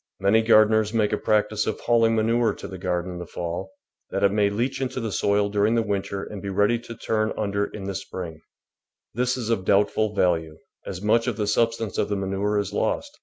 Many gardeners make a practice of hauling manure to the garden in the fall, that it may leach into the soil during the winter and be ready to turn under in the spring; this is of doubtful value, as much of the substance of the manure is lost.